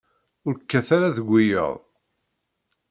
Ur kkat ara deg wiyaḍ.